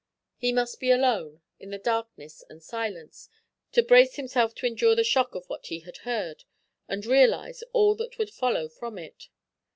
He must be alone, in the darkness and silence, to brace himself to endure the shock of what he had heard and realize all that would follow from it.